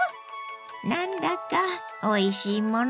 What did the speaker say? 何だかおいしいもの